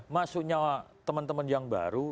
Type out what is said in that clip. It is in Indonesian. masuknya teman teman yang baru